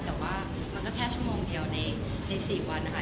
แต่ว่ามันก็แค่ชั่วโมงเดียวใน๔วันนะคะ